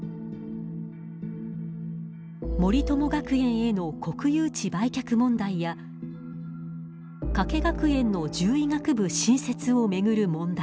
森友学園への国有地売却問題や加計学園の獣医学部新設を巡る問題。